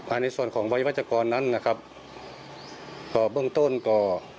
ในส่วนของวัยวัชกรนั้นนะครับก็เบื้องต้นก็